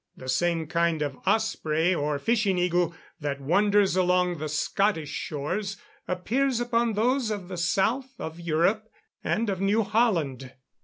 The same kind of osprey or fishing eagle that wanders along the Scottish shores appears upon those of the south of Europe, and of New Holland.